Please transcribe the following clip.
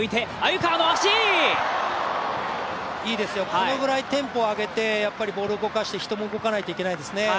このぐらいテンポを上げてボールを動かして、人も動かないといけないですね。